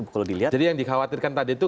kalau dilihat jadi yang dikhawatirkan tadi itu